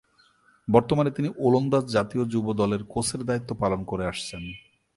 বর্তমানে তিনি ওলন্দাজ জাতীয় যুব দলের কোচের দায়িত্ব পালন করে আসছেন।